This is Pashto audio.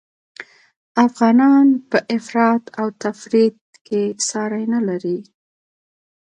افغانان په افراط او تفریط کي ساری نلري